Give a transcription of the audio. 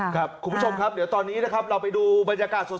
คุณผู้ชมครับเดี๋ยวตอนนี้นะครับเราไปดูบรรยากาศสด